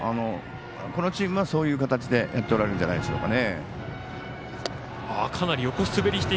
このチームは、そういう形でとられるんじゃないでしょうか